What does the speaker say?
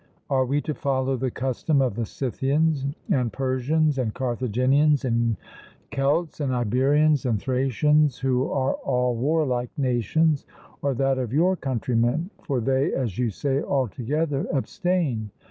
Are we to follow the custom of the Scythians, and Persians, and Carthaginians, and Celts, and Iberians, and Thracians, who are all warlike nations, or that of your countrymen, for they, as you say, altogether abstain?